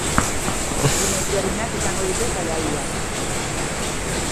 Gune ezberdinak izango ditu jaialdiak.